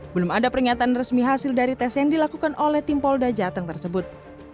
belum ada pernyataan resmi hasil dari tes yang dilakukan oleh tim polda jateng tersebut